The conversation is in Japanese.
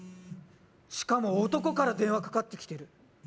しかも男から電話かかってきてる